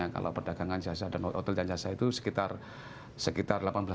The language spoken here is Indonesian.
kalau perdagangan jasa dan hotel dan jasa itu sekitar delapan belas